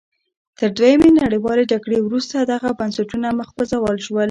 تر دویمې نړیوالې جګړې وروسته دغه بنسټونه مخ په زوال شول.